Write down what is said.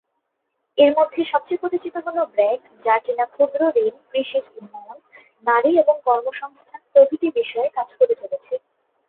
এর মধ্যে সবচেয় পরিচিত হল ব্র্যাক যা কিনা ক্ষুদ্রঋণ, কৃষিজ উন্নয়ন, নারী এবং কর্মসংস্থান প্রভৃতি বিষয়ে কাজ করে চলেছে।